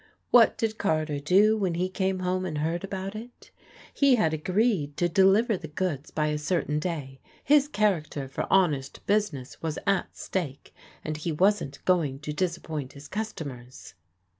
What did Carter do when he came home and heard about it? He had agreed to deliver the goods by a certain day, his character for honest business was at stake and he wasn't going to disappoint his customers.